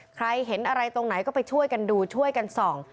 ใครเห็นอะไรตรงไหนก็ไปช่วยกันดูช่วยกันส่อง